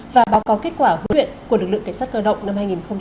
và báo cáo kết quả huyện của lực lượng cảnh sát cơ động năm hai nghìn hai mươi hai